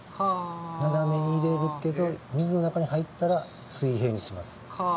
斜めに入れるけど水の中に入ったら水平にします。